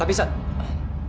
tapi sudah kalau gitu